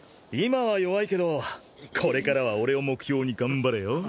今は弱いけどこれからは俺を目標に頑張れよ。